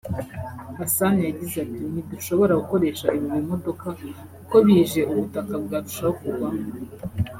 Hassan yagize ati “Ntidushobora gukoresha ibi bimodoka kuko bije ubutaka bwarushaho kugwamo